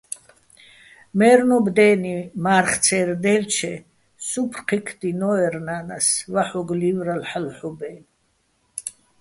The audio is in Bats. მაჲრნობ დე́ნი, მა́რხო̆ ცე́რ დაჲლ'ჩე სუფრ ქჵექდინო́ერ ნა́ნას, ვაჰ̦ოგო̆ ლი́ვრალო̆, ჰ̦ალო̆ ჰ̦ობ-აჲნო̆.